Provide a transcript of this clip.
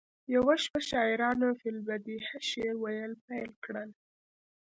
یوه شپه شاعرانو فی البدیهه شعر ویل پیل کړل